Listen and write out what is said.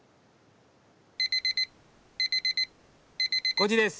５時です。